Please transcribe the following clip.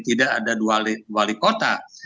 tidak ada dua wali kota